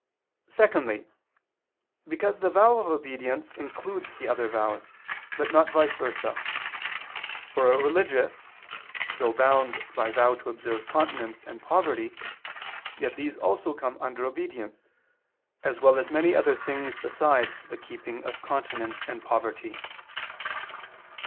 Secondly, because the vow of obedience includes the other vows, but not vice versa: for a religious, though bound by vow to observe continence and poverty, yet these also come under obedience, as well as many other things besides the keeping of continence and poverty.